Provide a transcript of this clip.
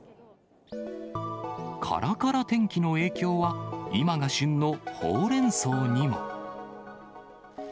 からから天気の影響は、今が旬のホウレンソウにも。